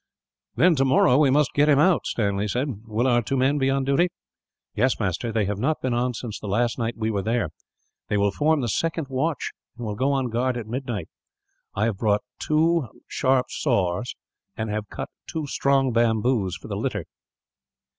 "Then tomorrow we must get him out," Stanley said. "Will our two men be on duty?" "Yes, master, they have not been on since the last night we were there. They will form the second watch, and will go on guard at midnight. I have bought two very sharp saws, and have cut two strong bamboos for the litter."